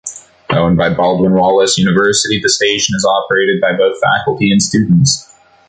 Owned by Baldwin Wallace University, the station is operated by both faculty and students.